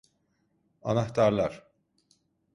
Anahtarlar.